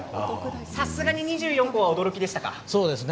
さすがに２４個は驚きでしたか。